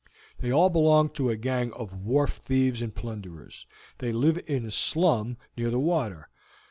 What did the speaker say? "They all belong to a gang of wharf thieves and plunderers. They live in a slum near the water.